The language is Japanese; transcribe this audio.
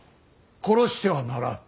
殺してはならん。